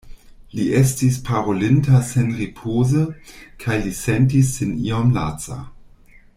Li estis parolinta senripoze, kaj li sentis sin iom laca.